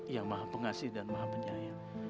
yang maha pengasih dan maha penyayang